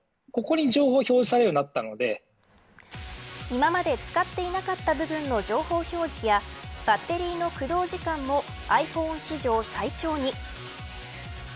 今まで使っていなかった部分の情報を表示やバッテリーの駆動時間もｉＰｈｏｎｅ史上最長に。